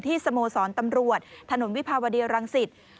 ที่สโมสรตำรวจถนนวิภาวดีรังศิษย์